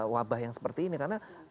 wabah yang seperti ini karena